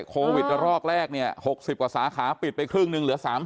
โควิดระรอกแรกเนี่ย๖๐กว่าสาขาปิดไปครึ่งหนึ่งเหลือ๓๐